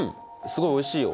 すごいおいしいよ。